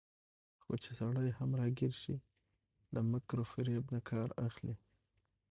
خو چې سړى هم راګېر شي، له مکر وفرېب نه کار اخلي